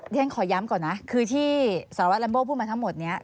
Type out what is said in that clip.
เรียนขอย้ำก่อนนะคือที่สารวัตลัมโบ้พูดมาทั้งหมดนี้